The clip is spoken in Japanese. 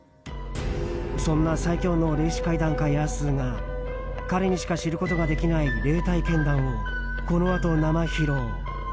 そんな最恐の霊視怪談家ヤースーが彼にしか知ることができない霊体験談をこのあと生披露。